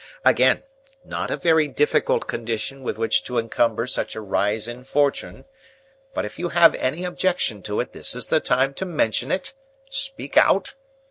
Again, not a very difficult condition with which to encumber such a rise in fortune; but if you have any objection to it, this is the time to mention it. Speak out."